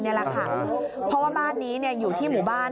เพราะว่าบ้านนี้อยู่ที่หมู่บ้าน